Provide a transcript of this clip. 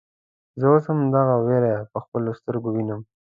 زه اوس هم دغه وير په خپلو سترګو وينم.